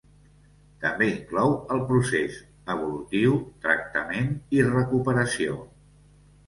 També inclou el procés evolutiu, tractament i recuperació.